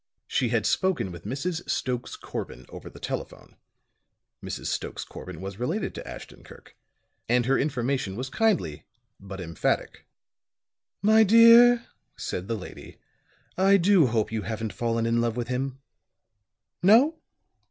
She had spoken with Mrs. Stokes Corbin over the telephone. Mrs. Stokes Corbin was related to Ashton Kirk, and her information was kindly but emphatic. "My dear," said the lady, "I do hope you haven't fallen in love with him. No?